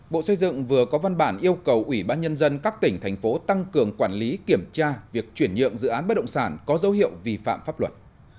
bộ xây dựng vừa có văn bản yêu cầu ủy ban nhân dân các tỉnh thành phố tăng cường quản lý kiểm tra việc chuyển nhượng dự án bất động sản có dấu hiệu vi phạm pháp luật